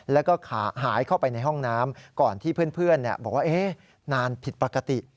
แล้วก็ขาหายเข้าไปในห้องน้ำก่อนที่เพื่อนบอกว่านานผิดปกติ